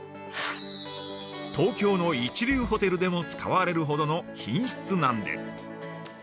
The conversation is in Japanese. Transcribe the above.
東京の一流ホテルでも使われるほどの品質なんです。